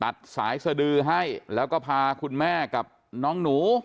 สายสดือให้แล้วก็พาคุณแม่กับน้องหนู